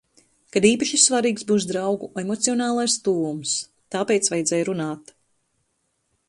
Kad īpaši svarīgs būs draugu emocionālais tuvums. Tāpēc vajadzēja runāt.